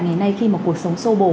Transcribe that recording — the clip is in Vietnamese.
ngày nay khi mà cuộc sống sô bồ